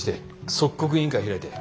即刻委員会開いて。